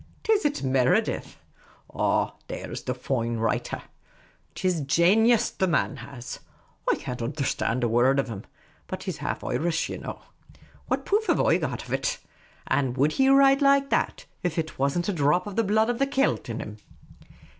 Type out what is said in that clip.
"Is it Meredith ? Ah, there 's the foine writer ! 'T is jaynius the man has : I can't undtherstand a word of him. But he 's half Otrish, ye know. What proof have I got of it ? An' would he write like that if there was n't a dhrop of the blood of the Celt in him